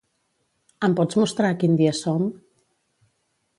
Em pots mostrar a quin dia som?